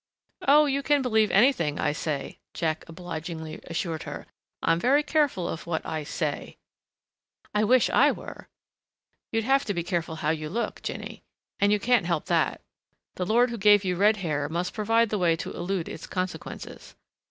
"Oh, you can believe anything I say," Jack obligingly assured her. "I'm very careful what I say " "I wish I were." "You'd have to be careful how you look, Jinny and you can't help that. The Lord who gave you red hair must provide the way to elude its consequences....